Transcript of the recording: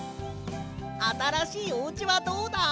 あたらしいおうちはどうだ？